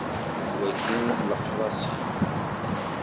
D wagi i d lexlaṣ-iw.